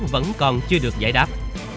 vẫn còn chưa được giải đáp